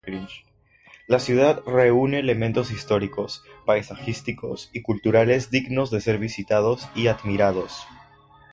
La ciudad reúne elementos históricos, paisajísticos y culturales dignos de ser visitados y admirados.